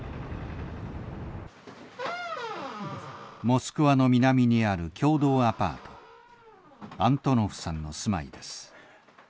モスクワの南にある共同アパートアントノフさんの住まいです。